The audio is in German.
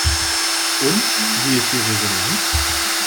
Und wie ist die Resonanz?